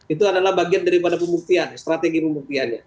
itu adalah bagian daripada pemuktian strategi pemuktiannya